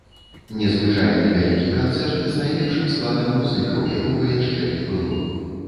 Незвычайны вялікі канцэрт з найлепшым складам музыкаў, якога яшчэ не было.